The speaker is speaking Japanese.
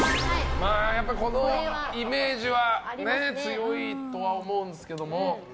やっぱりこのイメージは強いとは思うんですけども。